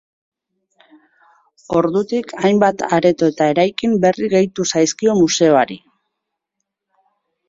Ordutik hainbat areto eta eraikin berri gehitu zaizkio museoari.